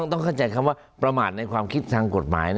ต้องเข้าใจคำว่าประมาทในความคิดทางกฎหมาย